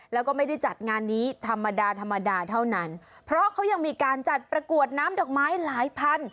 แล้วก็ไม่ได้จัดงานนี้ธรรมดาธรรมดาเท่านั้นเพราะเขายังมีการจัดประกวดน้ำดอกไม้หลายพัน